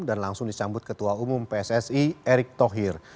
dan langsung dicambut ketua umum pssi erick thohir